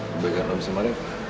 kebaikan lo bisa marah